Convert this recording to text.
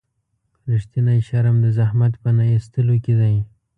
رښتینی شرم د زحمت په نه ایستلو کې دی.